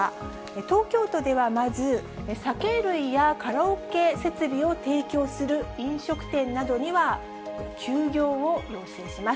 東京都ではまず、酒類やカラオケ設備を提供する飲食店などには、休業を要請します。